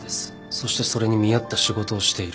そしてそれに見合った仕事をしている。